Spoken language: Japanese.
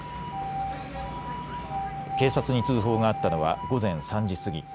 警察に通報があったのは午前３時過ぎ。